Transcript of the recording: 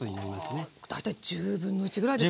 大体１０分の１ぐらいですか？